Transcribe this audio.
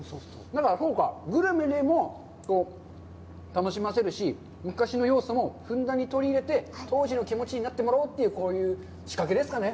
そうか、グルメでも楽しませるし、昔の要素もふんだんに取り入れて、当時の気持ちになってもらおうという、こういう仕掛けですかね。